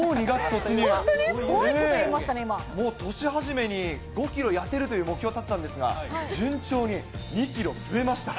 すごいこと言いましもう、年初めに５キロ痩せるという目標を立てたんですが、順調に２キロ増えました。